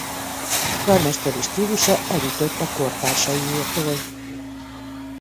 Karmesteri stílusa elütött a kortársaiétól.